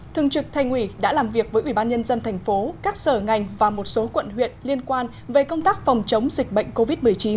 thường trực thành ủy đã làm việc với ủy ban nhân dân thành phố các sở ngành và một số quận huyện liên quan về công tác phòng chống dịch bệnh covid một mươi chín